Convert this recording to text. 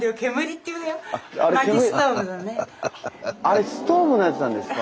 あれストーブのやつなんですか？